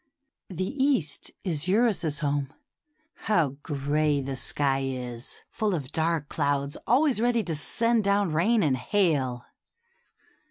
The East is Eurus's home. How gray the sky is, full of dark clouds always ready to send down rain and hail